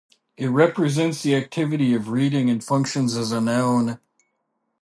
It represents the activity of reading and functions as a noun.